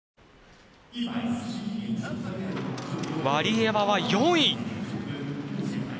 ワリエワは４位。